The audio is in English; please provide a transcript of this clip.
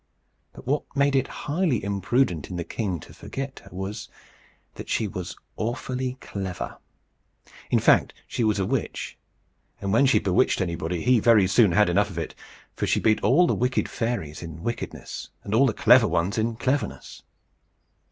But what made it highly imprudent in the king to forget her was that she was awfully clever. In fact, she was a witch; and when she bewitched anybody, he very soon had enough of it; for she beat all the wicked fairies in wickedness, and all the clever ones in cleverness.